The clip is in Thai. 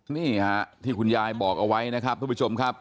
นี่ฮะที่คุณยายบอกเอาไว้นะครับทุกผู้ชมครับ